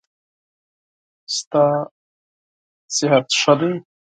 ستا صحت ښه دی؟